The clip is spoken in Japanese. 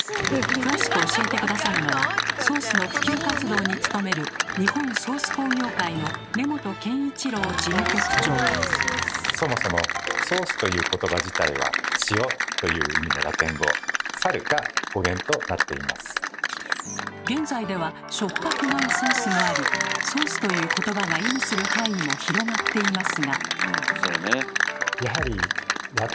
詳しく教えて下さるのはソースの普及活動に努めるそもそも「ソース」という言葉自体は「塩」という意味のラテン語「ソース」という言葉が意味する範囲も広がっていますが。